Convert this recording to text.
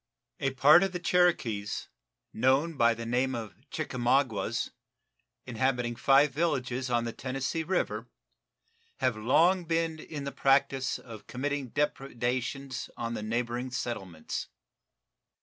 A part of the Cherokees, known by the name of Chickamaugas, inhabiting five villages on the Tennessee River, have long been in the practice of committing depredations on the neighboring settlements.